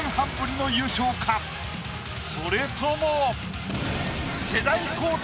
それとも。